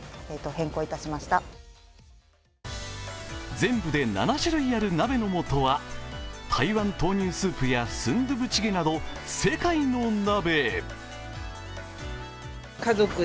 全部で７種類ある鍋のもとは台湾豆乳スープやスンドゥブチゲなど世界の鍋。